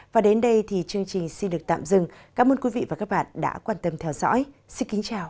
và đến đây thì chương trình xin được tạm dừng cảm ơn quý vị và các bạn đã quan tâm theo dõi xin kính chào